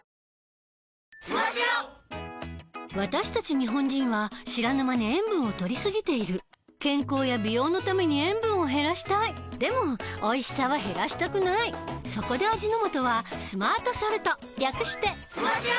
私たち日本人は知らぬ間に塩分をとりすぎている健康や美容のために塩分を減らしたいでもおいしさは減らしたくないそこで味の素は「スマートソルト」略して「スマ塩」！